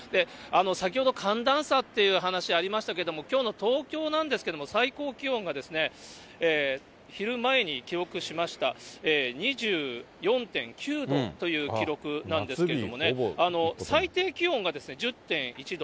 先ほど寒暖差っていう話ありましたけれども、きょうの東京なんですけれども、最高気温が昼前に記録しました２４．９度という記録なんですけれどもね、最低気温が１０．１度。